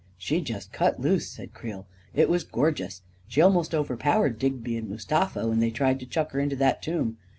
" She just cut loose," said Creel. " It was gor geous! She almost overpowered Digby and Mus tafa, when they tried to chuck her into the tomb.